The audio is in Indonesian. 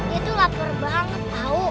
dia tuh lapar banget